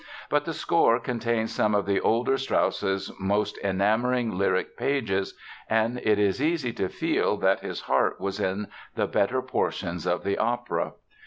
But the score contains some of the older Strauss's most enamoring lyric pages and it is easy to feel that his heart was in the better portions of the opera.